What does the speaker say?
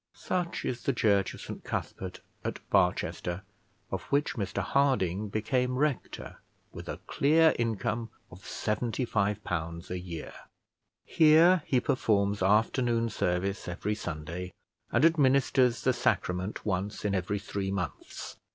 Such is the church of St Cuthbert at Barchester, of which Mr Harding became rector, with a clear income of seventy five pounds a year. Here he performs afternoon service every Sunday, and administers the Sacrament once in every three months.